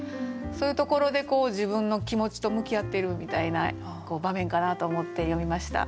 そういうところで自分の気持ちと向き合ってるみたいな場面かなと思って読みました。